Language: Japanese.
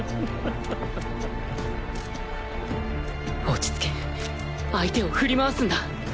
落ち着け相手を振り回すんだ